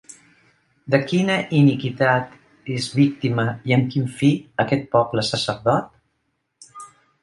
De quina iniquitat és víctima, i amb quin fi, aquest pobre sacerdot?